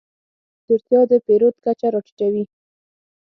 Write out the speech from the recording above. اقتصادي کمزورتیا د پیرود کچه راټیټوي.